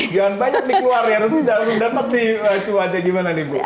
jangan banyak dikeluar ya harusnya udah dapet nih cuaca gimana nih ibu